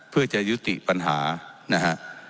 เพื่อจะยุติปัญหานะฮะ